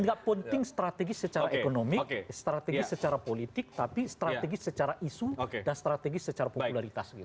tidak penting strategis secara ekonomi strategis secara politik tapi strategis secara isu dan strategis secara popularitas